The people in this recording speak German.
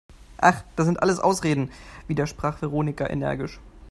Ach, das sind alles Ausreden!, widersprach Veronika energisch.